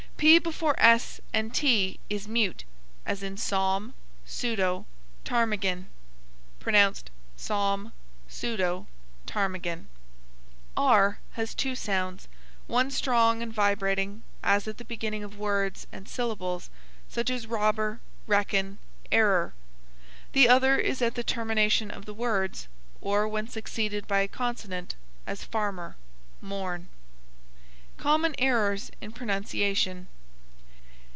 P before s and t is mute; as in psalm, pseudo, ptarmigan; pronounced salm, sudo, tarmigan. R has two sounds, one strong and vibrating, as at the beginning of words and syllables, such as robber, reckon, error; the other is at the termination of the words, or when succeeded by a consonant, as farmer, morn. Common Errors in Pronunciation.